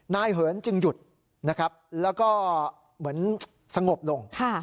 เหินจึงหยุดนะครับแล้วก็เหมือนสงบลง